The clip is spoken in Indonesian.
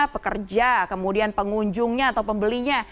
pekerja kemudian pengunjungnya atau pembelinya